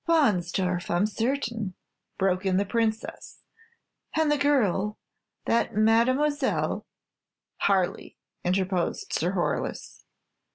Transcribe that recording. "Wahnsdorf, I'm certain," broke in the Princess; "and the girl that Mademoiselle " "Harley," interposed Sir Horace.